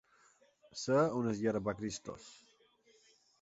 Ser un esgarrapacristos.